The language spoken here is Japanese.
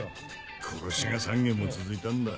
殺しが３件も続いたんだ。